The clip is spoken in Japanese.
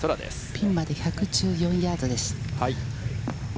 ピンまで１１４ヤードです。